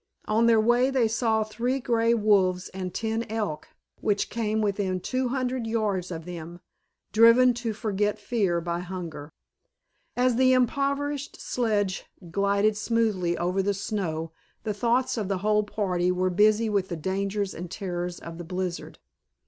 On their way they saw three grey wolves and ten elk, which came within two hundred yards of them, driven to forget fear by hunger. As the improvised sledge glided smoothly over the snow the thoughts of the whole party were busy with the dangers and terrors of the blizzard.